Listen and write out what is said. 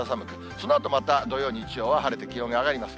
そのあとまた土曜、日曜は晴れて気温が上がります。